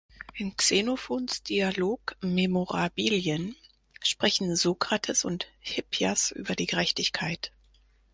In Xenophons Dialog "Memorabilien" sprechen Sokrates und Hippias über die Gerechtigkeit.